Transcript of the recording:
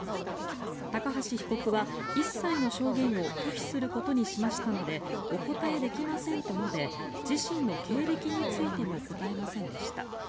高橋被告は、一切の証言を拒否することにしましたのでお答えできませんと述べ自身の経歴についても答えませんでした。